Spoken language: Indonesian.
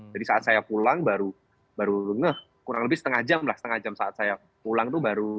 jadi saat saya pulang baru ngeh kurang lebih setengah jam lah setengah jam saat saya pulang itu baru